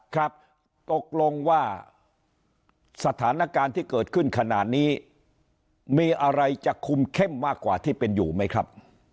ครับตกลงว่าสถานการณ์ที่เกิดขึ้นขนาดนี้มีอะไรจะคุมเข้มมากกว่าที่เป็นอยู่ไหมครับ